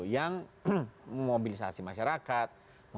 yang memobilisasi masyarakat